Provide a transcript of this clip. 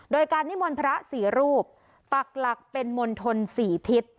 โดยการนิมวลพระสี่รูปปรักหลักเป็นมณฑลสี่ทิศ